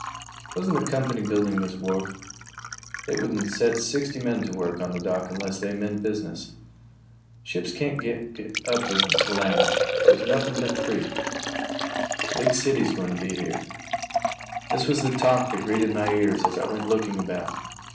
"Wasn't the company building this wharf?" "They wouldn't set sixty men to work on the dock unless they meant business." "Ships can't get up the Willamette that's nothing but a creek. The big city is going to be here." This was the talk that greeted my ears as I went looking about.